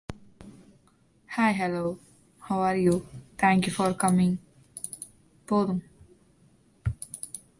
What "we" call out for, what "we" transmit.